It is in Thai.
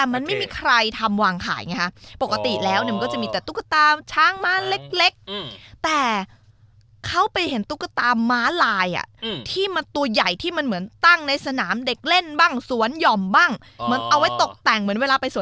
มันมีความน่าจะเป็นไปได้เหมือนกันเนอะ